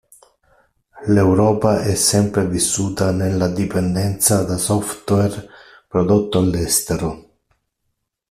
L'Europa è sempre vissuta nella dipendenza da software prodotto all'estero.